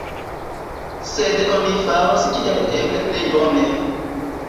Sed oni faros kiel eble plej bone.